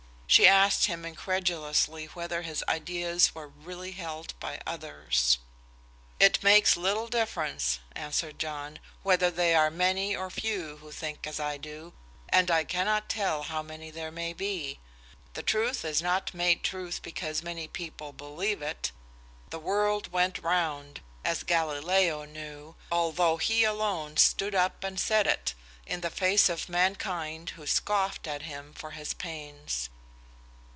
She asked him incredulously whether his ideas were really held by others. "It makes little difference," answered John, "whether they are many or few who think as I do, and I cannot tell how many there may be. The truth is not made truth because many people believe it. The world went round, as Galileo knew, although he alone stood up and said it in the face of mankind, who scoffed at him for his pains."